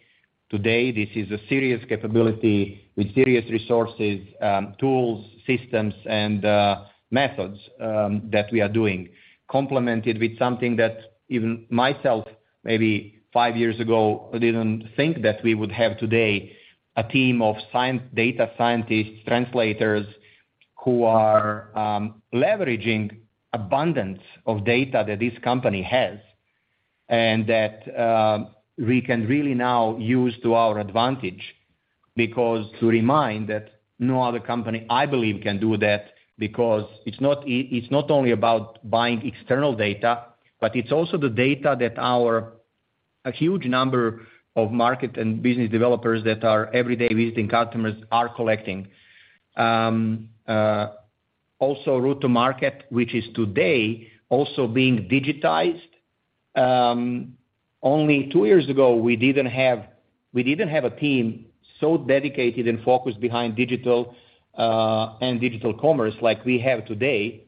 Today, this is a serious capability with serious resources, tools, systems, and methods that we are doing, complemented with something that even myself, maybe five years ago, didn't think that we would have today, a team of data scientists, translators, who are leveraging abundance of data that this company has and that we can really now use to our advantage. Because to remind that no other company, I believe, can do that because it's not only about buying external data, but it's also the data that our a huge number of market and business developers that are every day visiting customers are collecting. Also route to market, which is today also being digitized. Only two years ago, we didn't have a team so dedicated and focused behind digital and digital commerce like we have today.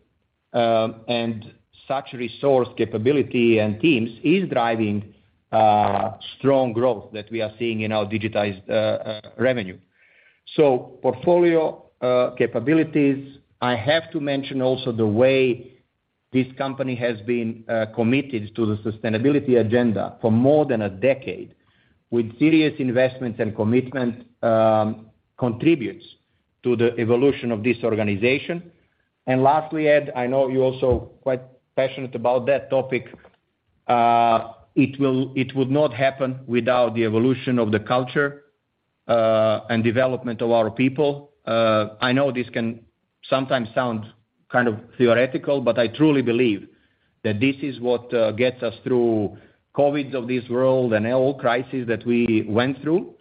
Such resource capability and teams is driving strong growth that we are seeing in our digitized revenue. Portfolio capabilities, I have to mention also the way this company has been committed to the sustainability agenda for more than a decade with serious investments and commitment contributes to the evolution of this organization. Lastly, Ed, I know you're also quite passionate about that topic. It would not happen without the evolution of the culture and development of our people. I know this can sometimes sound kind of theoretical, but I truly believe that this is what gets us through COVID of this world and all crisis that we went through.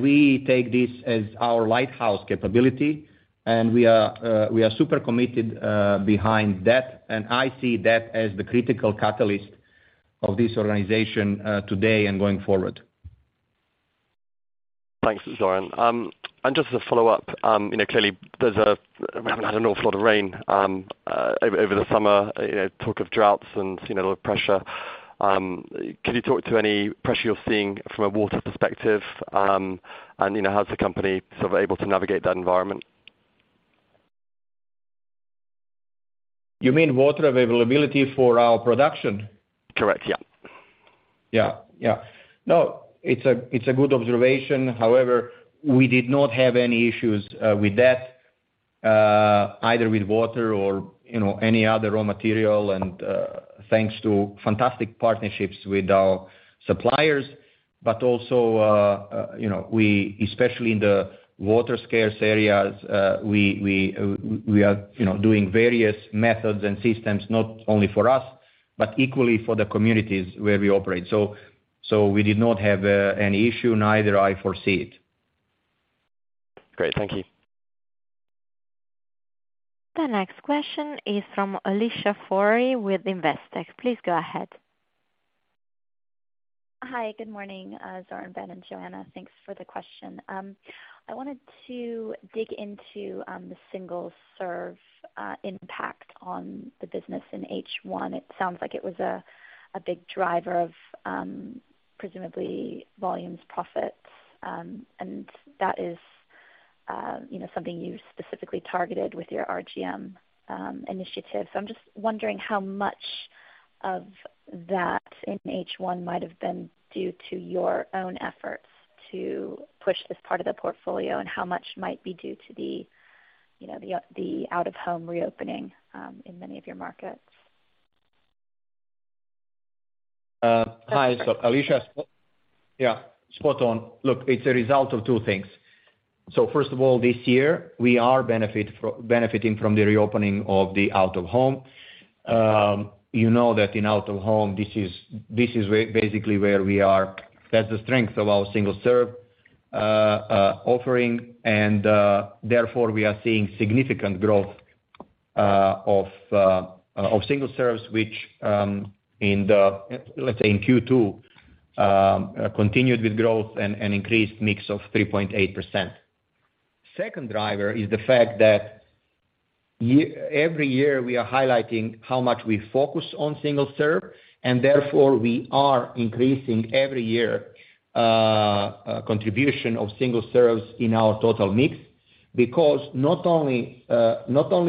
We take this as our lighthouse capability, and we are super committed behind that. I see that as the critical catalyst of this organization, today and going forward. Thanks, Zoran. Just as a follow-up, you know, clearly, we haven't had an awful lot of rain over the summer, you know, talk of droughts and, you know, pressure. Can you talk to any pressure you're seeing from a water perspective, and, you know, how's the company sort of able to navigate that environment? You mean water availability for our production? Correct, yeah. Yeah, yeah. No, it's a good observation. However, we did not have any issues with that, either with water or, you know, any other raw material. Thanks to fantastic partnerships with our suppliers, but also, you know, we especially in the water scarce areas, we are, you know, doing various methods and systems not only for us but equally for the communities where we operate. We did not have an issue, neither I foresee it. Great. Thank you. The next question is from Alicia Forry with Investec. Please go ahead. Hi. Good morning, Zoran, Ben, and Joanna. Thanks for the question. I wanted to dig into the single serve impact on the business in H1. It sounds like it was a big driver of presumably volumes, profits. That is you know something you specifically targeted with your RGM initiative. I'm just wondering how much of that in H1 might have been due to your own efforts to push this part of the portfolio, and how much might be due to the you know the out-of-home reopening in many of your markets? Hi, Alicia, yeah, spot on. Look, it's a result of two things. First of all, this year we are benefiting from the reopening of the out-of-home. You know that in out-of-home this is where basically we are. That's the strength of our single serve offering. Therefore, we are seeing significant growth of single serves which, in the, let's say in Q2, continued with growth and an increased mix of 3.8%. Second driver is the fact that every year we are highlighting how much we focus on single serve, and therefore we are increasing every year contribution of single serves in our total mix. Because not only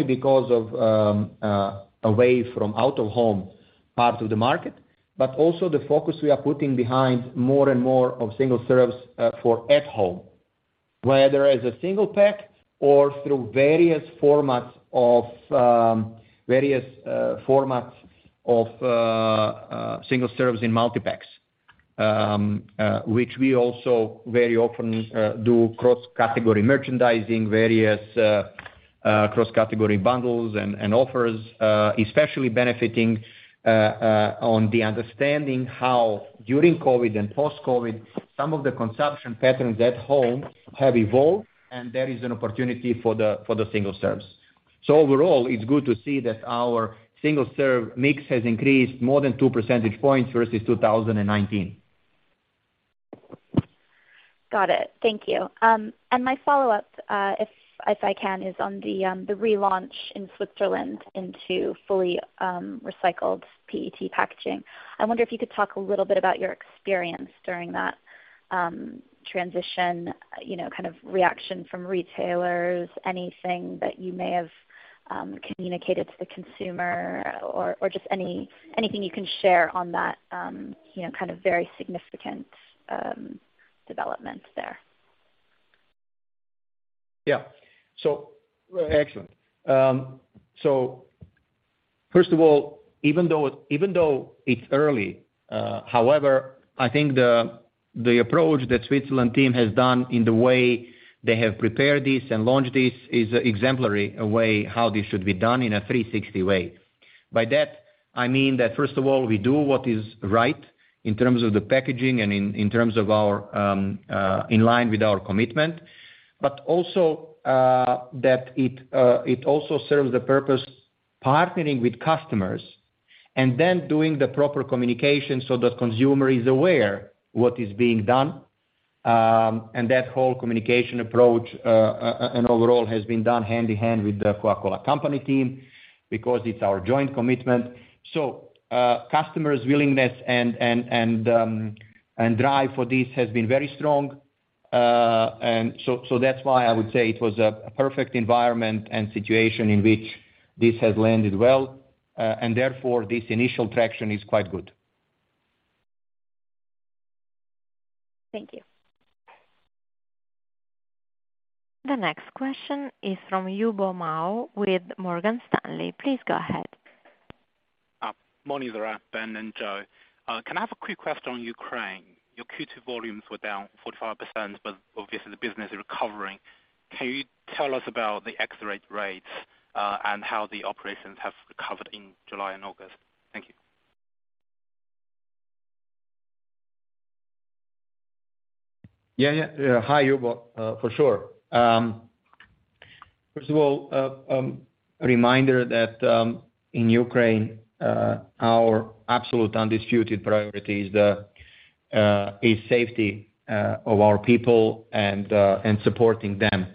because of away from out-of-home part of the market, but also the focus we are putting behind more and more of single serves for at-home, whether as a single pack or through various formats of single serves in multi-packs, which we also very often do cross-category merchandising, various cross-category bundles and offers, especially benefiting on the understanding how during COVID and post-COVID some of the consumption patterns at-home have evolved and there is an opportunity for the single serves. Overall, it's good to see that our single serve mix has increased more than 2 percentage points versus 2019. Got it. Thank you. My follow-up, if I can, is on the relaunch in Switzerland into fully recycled PET packaging. I wonder if you could talk a little bit about your experience during that transition, you know, kind of reaction from retailers, anything that you may have communicated to the consumer or just anything you can share on that, you know, kind of very significant development there. Excellent. First of all, even though it's early, however, I think the approach that Switzerland team has done in the way they have prepared this and launched this is exemplary way how this should be done in a 360 way. By that, I mean that first of all, we do what is right in terms of the packaging and in line with our commitment, but also that it also serves the purpose partnering with customers and then doing the proper communication so the consumer is aware what is being done. That whole communication approach and overall has been done hand-in-hand with The Coca-Cola Company team because it's our joint commitment. Customers' willingness and drive for this has been very strong. That's why I would say it was a perfect environment and situation in which this has landed well, and therefore, this initial traction is quite good. Thank you. The next question is from Yubo Mao with Morgan Stanley. Please go ahead. Morning, Zoran, Ben, and Joanna. Can I have a quick question on Ukraine? Your Q2 volumes were down 45%, but obviously the business is recovering. Can you tell us about the FX rates, and how the operations have recovered in July and August? Thank you. Yeah. Hi, Yubo. For sure. First of all, reminder that in Ukraine our absolute undisputed priority is the safety of our people and supporting them.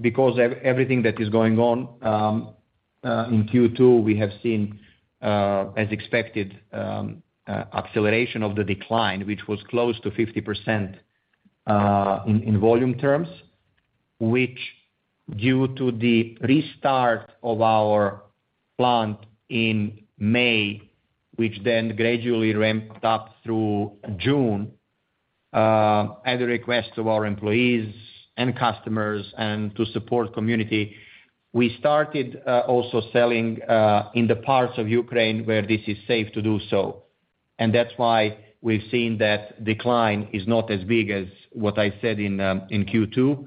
Because everything that is going on in Q2, we have seen as expected acceleration of the decline, which was close to 50% in volume terms, which due to the restart of our plant in May, which then gradually ramped up through June, at the request of our employees and customers and to support community, we started also selling in the parts of Ukraine where this is safe to do so. That's why we've seen that decline is not as big as what I said in Q2.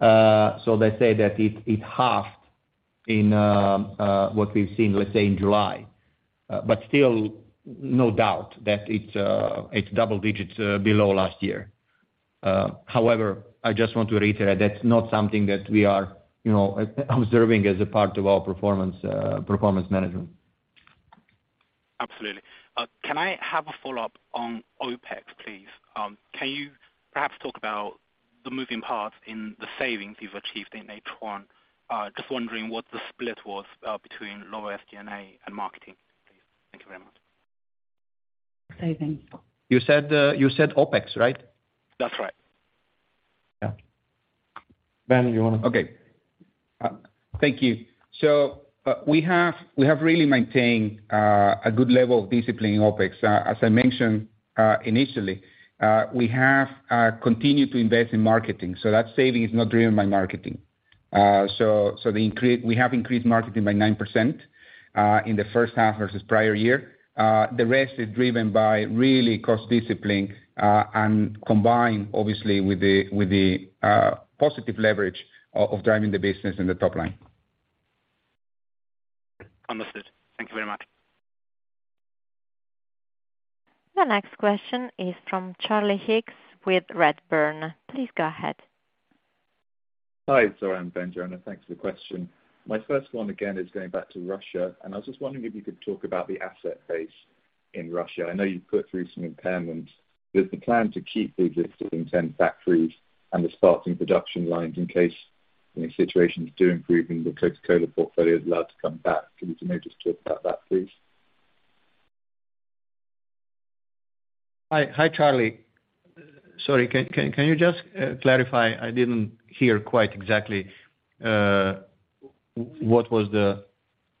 Let's say that it halved in what we've seen, let's say in July. Still no doubt that it's double digits below last year. However, I just want to reiterate, that's not something that we are, you know, observing as a part of our performance management. Absolutely. Can I have a follow-up on OpEx, please? Can you perhaps talk about the moving parts in the savings you've achieved in H1? Just wondering what the split was, between lower SG&A and marketing, please. Thank you very much. Saving. You said OpEx, right? That's right. Yeah. Ben, you wanna- Okay. Thank you. We have really maintained a good level of discipline in OpEx. As I mentioned initially, we have continued to invest in marketing, so the saving is not driven by marketing. We have increased marketing by 9% in the first half versus prior year. The rest is driven by real cost discipline and combined obviously with the positive leverage of driving the business in the top line. Understood. Thank you very much. The next question is from Charlie Higgs with Redburn. Please go ahead. Hi, Zoran, Ben, Joanna. Thanks for the question. My first one, again, is going back to Russia. I was just wondering if you could talk about the asset base in Russia. I know you've put through some impairment. Is the plan to keep the existing 10 factories and the sparkling production lines in case any situations do improve and the Coca-Cola portfolio is allowed to come back? Can you maybe just talk about that, please? Hi. Hi, Charlie. Sorry, can you just clarify? I didn't hear quite exactly what was the.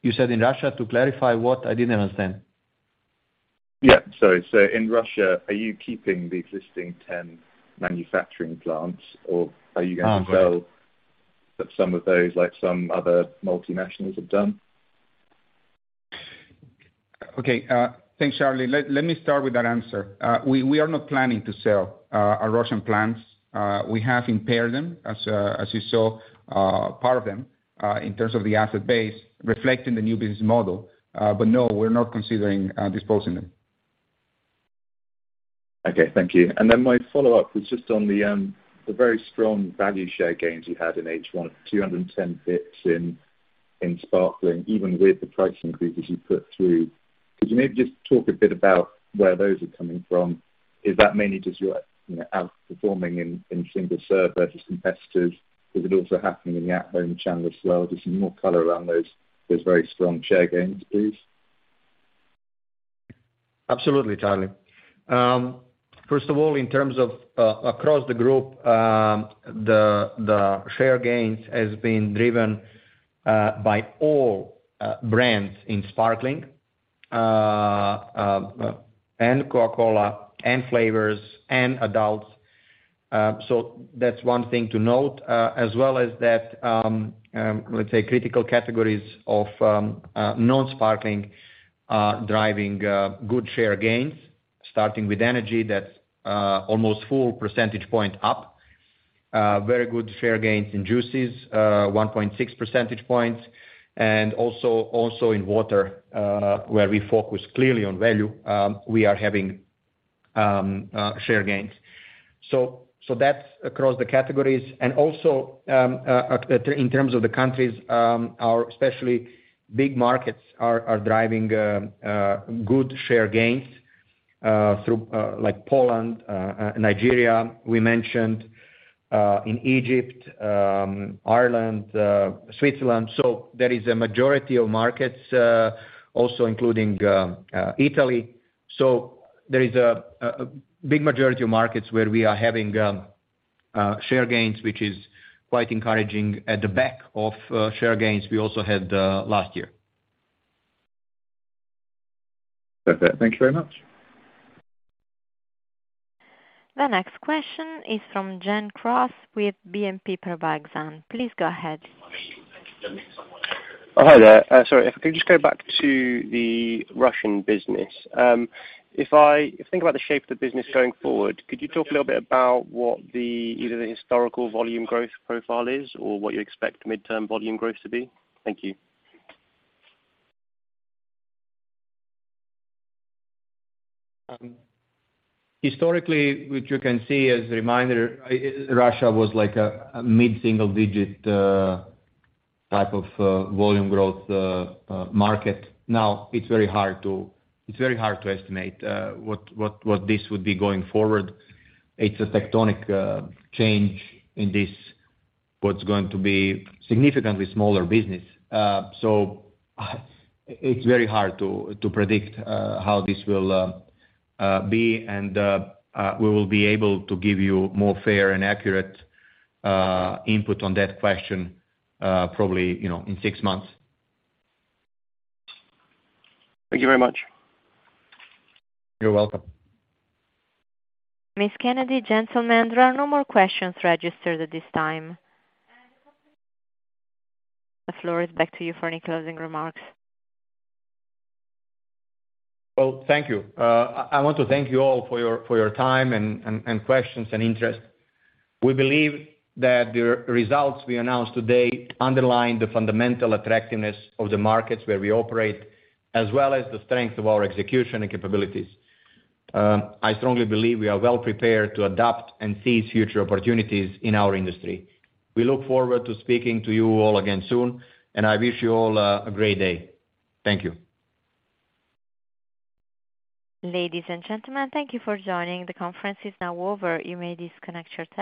You said in Russia, to clarify what? I didn't understand. Yeah. Sorry. In Russia, are you keeping the existing 10 manufacturing plants, or are you gonna sell some of those like some other multinationals have done? Okay. Thanks, Charlie. Let me start with that answer. We are not planning to sell our Russian plants. We have impaired them, as you saw, part of them, in terms of the asset base reflecting the new business model. No, we're not considering disposing them. Okay. Thank you. My follow-up was just on the very strong value share gains you had in H1, 210 basis points in sparkling, even with the price increases you put through. Could you maybe just talk a bit about where those are coming from? Is that mainly just your, you know, outperforming in single-serve versus multi-serve? Is it also happening in the at-home channel as well? Just some more color around those very strong share gains, please. Absolutely, Charlie. First of all, in terms of across the group, the share gains has been driven by all brands in sparkling and Coca-Cola and flavors and adults. That's one thing to note. As well as that, let's say critical categories of non-sparkling driving good share gains, starting with energy, that's almost full percentage point up. Very good share gains in juices, 1.6 percentage points. Also in water, where we focus clearly on value, we are having share gains. That's across the categories. Also, in terms of the countries, our especially big markets are driving good share gains through like Poland, Nigeria we mentioned, in Egypt, Ireland, Switzerland. There is a majority of markets also including Italy. There is a big majority of markets where we are having share gains, which is quite encouraging on the back of share gains we also had last year. Perfect. Thank you very much. The next question is from Gen Cross with BNP Paribas Exane. Please go ahead. Oh, hi there. Sorry, if I could just go back to the Russian business. If I think about the shape of the business going forward, could you talk a little bit about what either the historical volume growth profile is or what you expect midterm volume growth to be? Thank you. Historically, which you can see as a reminder, Russia was like a mid single-digit type of volume growth market. Now it's very hard to estimate what this would be going forward. It's a tectonic change in this, what's going to be significantly smaller business. So it's very hard to predict how this will be and we will be able to give you more fair and accurate input on that question, probably, you know, in six months. Thank you very much. You're welcome. Ms. Kennedy, gentlemen, there are no more questions registered at this time. The floor is back to you for any closing remarks. Well, thank you. I want to thank you all for your time and questions and interest. We believe that the results we announced today underline the fundamental attractiveness of the markets where we operate, as well as the strength of our execution and capabilities. I strongly believe we are well prepared to adapt and seize future opportunities in our industry. We look forward to speaking to you all again soon, and I wish you all a great day. Thank you. Ladies and gentlemen, thank you for joining. The conference is now over. You may disconnect your telephone.